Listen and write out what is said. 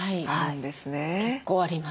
はい結構あります。